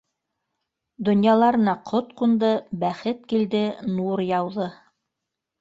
Донъяларына ҡот ҡунды, бәхет килде, нур яуҙы.